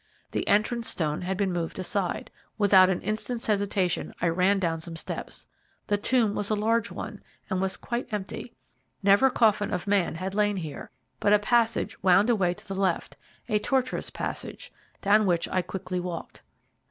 The entrance stone had been moved aside. Without an instant's hesitation I ran down some steps. The tomb was a large one, and was quite empty; never coffin of man had lain here, but a passage wound away to the left, a tortuous passage, down which I quickly walked.